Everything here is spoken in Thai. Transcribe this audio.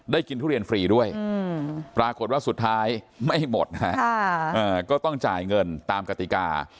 กินทุเรียนฟรีด้วยปรากฏว่าสุดท้ายไม่หมดนะฮะก็ต้องจ่ายเงินตามกติกา